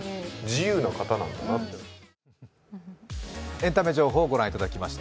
エンタメ情報をご覧いただきました。